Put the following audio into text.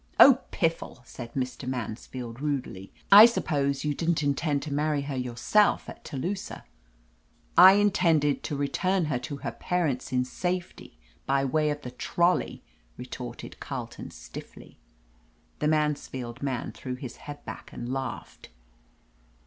'* "Oh, piffle r said Mr. Mansfield rudely. "I suppose you didn't intend to marry her yourself at Telusah !" "I intended to return her to her parents in safety, by way of the trolley," retorted Carle ton stiffly. The Mansfield man threw back his head and laughed.